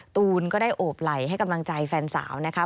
ตูนก็ได้โอบไหลให้กำลังใจแฟนสาวนะคะ